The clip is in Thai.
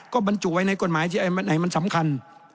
ก็บรรจุไว้ในกฎหมายที่ไหนมันสำคัญ